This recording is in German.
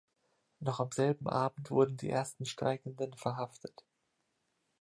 Noch am selben Abend wurden die ersten Streikenden verhaftet.